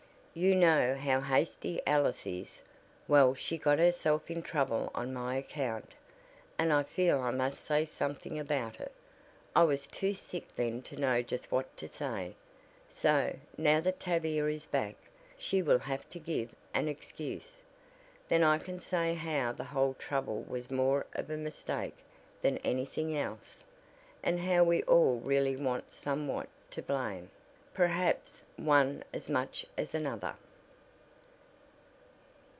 You know how hasty Alice is; well she got herself in trouble on my account, and I feel I must say something about it. I was too sick then to know just what to say. So, now that Tavia is back, she will have to give an excuse. Then I can say how the whole trouble was more of a mistake, than anything else, and how we were all really somewhat to blame; perhaps one as much as another."